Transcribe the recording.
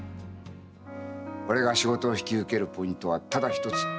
俺が仕事を引き受けるポイントはただ１つ。